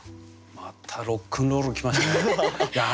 またロックンロール来ましたね。